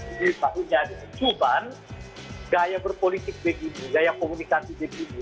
ini takutnya ada cuman gaya berpolitik begini gaya komunikasi begini